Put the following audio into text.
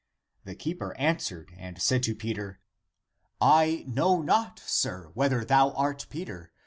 " The keeper answered and said to Peter, " I know not, sir, whether thou art Peter.